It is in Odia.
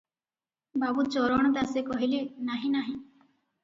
ବାବୁ ଚରଣ ଦାସେ କହିଲେ-ନାହିଁ, ନାହିଁ ।